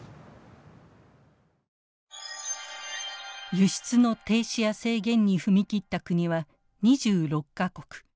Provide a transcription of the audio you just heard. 輸出の停止や制限に踏み切った国は２６か国。